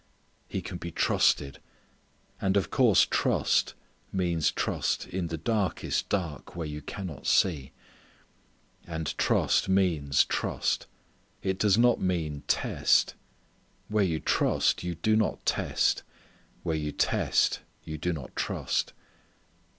He can be trusted. And of course trust means trust in the darkest dark where you cannot see. And trust means trust. It does not mean test. Where you trust you do not test. Where you test you do not trust.